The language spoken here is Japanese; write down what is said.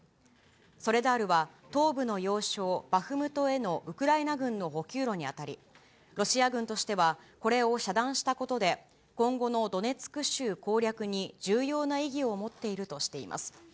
ソレダールは東部の要衝、バフムトへのウクライナ軍の補給路に当たり、ロシア軍としてはこれを遮断したことで、今後のドネツク州攻略に重要な意義を持っているとしています。